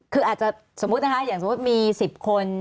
คืออาจจะสมมุตินะคะอย่างสมมุติมี๑๐คน